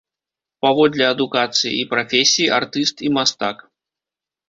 Паводле адукацыі і прафесіі артыст і мастак.